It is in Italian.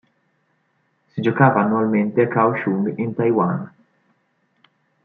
Si giocava annualmente a Kaohsiung in Taiwan.